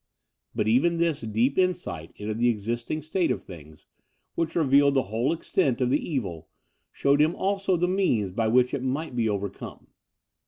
But even this deep insight into the existing state of things, which revealed the whole extent of the evil, showed him also the means by which it might be overcome.